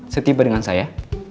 setiba dengan saya